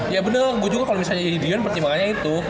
ya bener gua juga kalo jadi dion percaya makanya itu